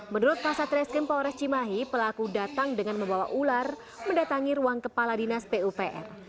menurut kasat reskrim polres cimahi pelaku datang dengan membawa ular mendatangi ruang kepala dinas pupr